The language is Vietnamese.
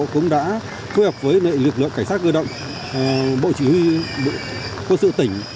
cũng đã phối hợp với lực lượng cảnh sát cơ động bộ chỉ huy quân sự tỉnh